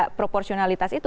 dan memilih proporsionalitas itu